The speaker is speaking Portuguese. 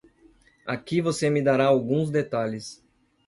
Aqui você me dará alguns detalhes.